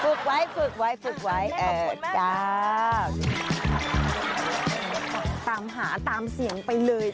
ฝึกไว้ฝึกไว้ฝึกไว้อ่าแม่ขอบคุณมากครับตามหาตามเสียงไปเลย